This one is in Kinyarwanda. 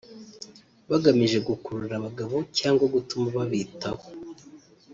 bagamije gukurura abagabo cyangwa gutuma babitaho